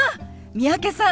三宅さん